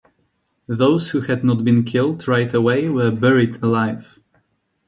Those who had not been killed right away were buried alive.